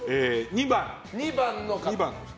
２番の方。